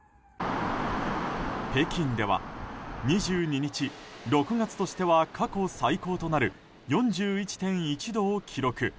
北京では２２日６月としては過去最高となる４１．１度を記録。